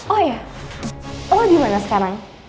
oh iya lo dimana sekarang